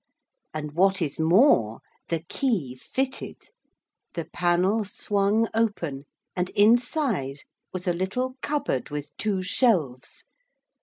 And what is more, the key fitted. The panel swung open, and inside was a little cupboard with two shelves.